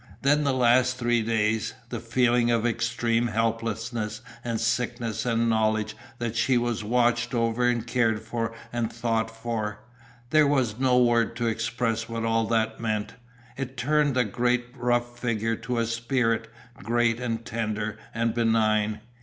Then the last three days. The feeling of extreme helplessness and sickness and the knowledge that she was watched over and cared for and thought for there was no word to express what all that meant. It turned the great rough figure to a spirit, great and tender and benign.